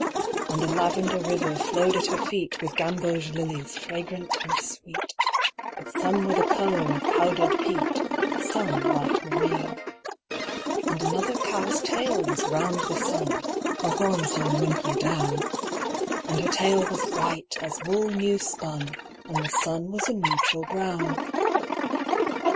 And a lavender river flowed at her feet With gamboge lilies fragrant and sweet, But some were the color of powdered peat, Some light marine. And another cow's tail was round the sun (Her horns hung limply down); And her tail was white as wool new spun, And the sun was a neutral brown.